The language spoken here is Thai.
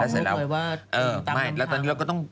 ห้องเค้าเคยว่าตามลำพาก